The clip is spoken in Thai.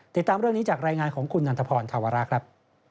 ติดตามเรื่องนี้จากรายงานของคุณนันทพรธาวระครับ